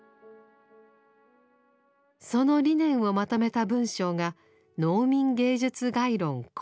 その理念をまとめた文章が「農民芸術概論綱要」です。